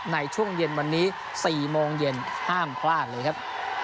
ในช่วงเย็นวันนี้๔โมงเย็นห้ามพลาดเลยครับ